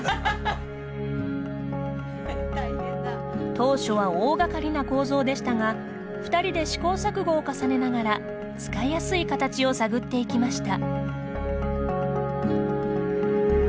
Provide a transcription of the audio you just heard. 当初は大がかりな構造でしたが２人で試行錯誤を重ねながら使いやすい形を探っていきました。